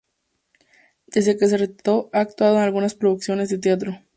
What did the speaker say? Desde que se retiró ha actuado en algunas producciones de teatro.